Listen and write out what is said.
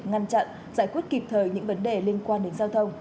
ngăn chặn giải quyết kịp thời những vấn đề liên quan đến giao thông